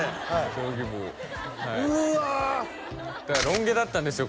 将棋部うわロン毛だったんですよ